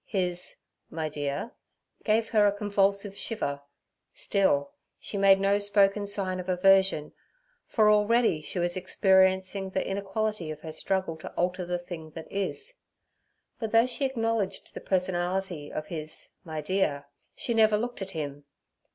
His 'my dear' gave her a convulsive shiver; still, she made no spoken sign of aversion, for already she was experiencing the inequality of her struggle to alter the thing that is. But though she acknowledged the personality of his 'my dear' she never looked at him.